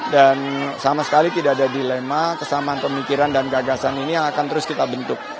dan sama sekali tidak ada dilema kesamaan pemikiran dan gagasan ini yang akan terus kita bentuk